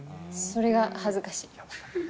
それが恥ずかしい。